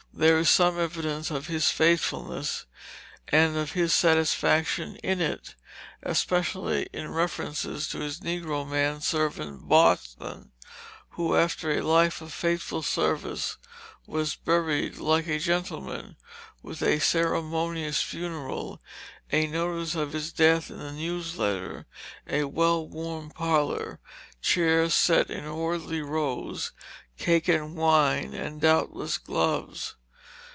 There is some evidence of their faithfulness and of his satisfaction in it, especially in the references to his negro man servant, Boston, who, after a life of faithful service, was buried like a gentleman, with a ceremonious funeral, a notice of his death in the News Letter, a well warmed parlor, chairs set in orderly rows, cake and wine, and doubtless gloves.